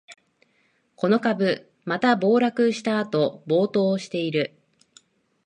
この株、また暴落したあと暴騰してる